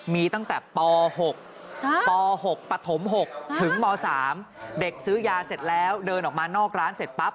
มีตั้งแต่ป๖ป๖ปฐม๖ถึงม๓เด็กซื้อยาเสร็จแล้วเดินออกมานอกร้านเสร็จปั๊บ